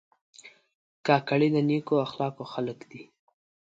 کاکړي د نیکو اخلاقو خلک دي.